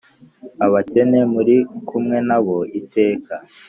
Abakene muri kumwe na bo iteka